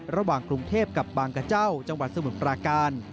ระหว่างกรุงเทพกับบางกระเจ้าจังหวัดสมุทรปราการ